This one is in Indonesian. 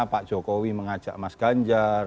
pak jokowi mengajak mas ganjar